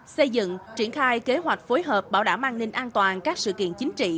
xây dựng triển khai kế hoạch phối hợp bảo đảm an ninh an toàn các sự kiện chính trị